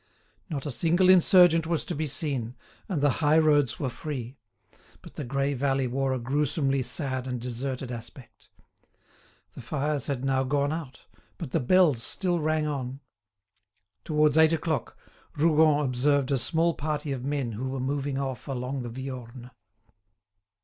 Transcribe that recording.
Not a single insurgent was to be seen, and the high roads were free; but the grey valley wore a gruesomely sad and deserted aspect. The fires had now gone out, but the bells still rang on. Towards eight o'clock, Rougon observed a small party of men who were moving off along the Viorne.